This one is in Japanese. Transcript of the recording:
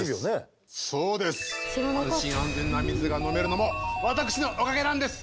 安心安全な水が飲めるのも私のおかげなんです！